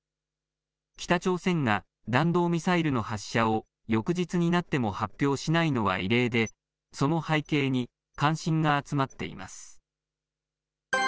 北朝鮮が、弾道ミサイルの発射を翌日になっても発表しないのは異例で、その背景に関心が集まっています。